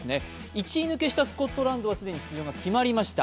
１次抜けしたスコットランドは既に出場が決まりました。